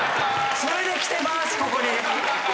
それで来てます、ここに。